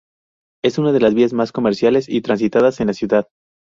Es una de las vías más comerciales y transitadas de la ciudad.